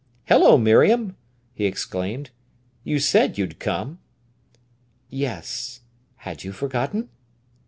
"Hello, Miriam!" he exclaimed. "You said you'd come!" "Yes. Had you forgotten?"